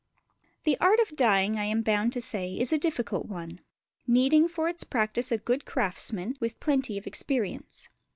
The art of dyeing, I am bound to say, is a difficult one, needing for its practice a good craftsman, with plenty of experience.